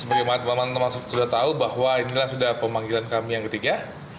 sebagaimana teman teman sudah tahu bahwa inilah sudah pemanggilan kami yang ketiga